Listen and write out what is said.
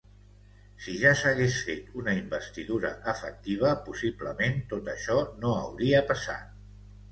Si ja s’hagués fet una investidura ‘efectiva’, possiblement tot això no hauria passat.